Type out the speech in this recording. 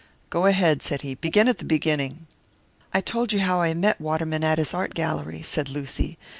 "Go ahead," said he. "Begin at the beginning." "I told you how I met Waterman at his art gallery," said Lucy.